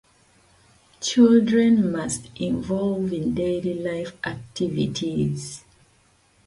Notably, these songs were two of the first songs written by Jars of Clay.